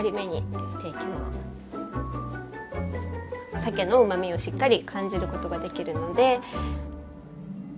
さけのうまみをしっかり感じることができるので。